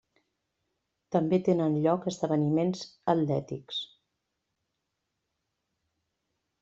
També tenen lloc esdeveniments atlètics.